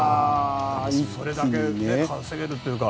それだけ稼げるというか。